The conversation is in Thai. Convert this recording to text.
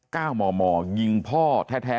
ก้าวหมอหมองิงพ่อแท้